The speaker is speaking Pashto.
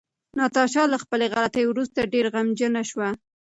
ناتاشا له خپلې غلطۍ وروسته ډېره غمجنه شوه.